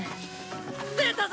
出たぞ！